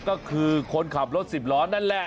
ก็คือคนขับรถสิบล้อนั่นแหละ